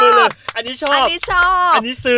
อันนี้ชอบ